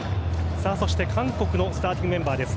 韓国のスターティングメンバーです。